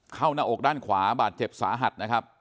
หน้าอกด้านขวาบาดเจ็บสาหัสนะครับ